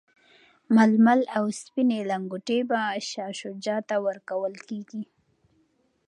ململ او سپیني لنګوټې به شاه شجاع ته ورکول کیږي.